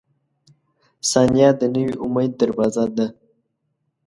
• ثانیه د نوي امید دروازه ده.